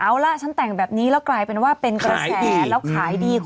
เอาล่ะฉันแต่งแบบนี้แล้วกลายเป็นว่าเป็นกระแสแล้วขายดี